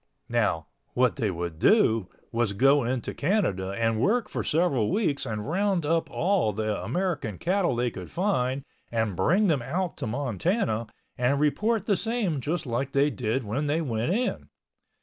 Now, what they would do was go into Canada and work for several weeks and roundup all the American cattle they could find and bring them out to Montana and report the same just like they did when they went in.